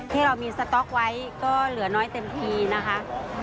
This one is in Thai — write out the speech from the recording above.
ที่เรามีสต๊อกไว้ก็เหลือน้อยเต็มทีนะคะ